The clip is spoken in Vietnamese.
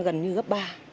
gần như gấp ba